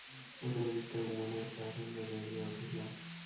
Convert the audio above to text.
উদয়াদিত্যের মনে একটা আশঙ্কা জাগিয়া উঠিল।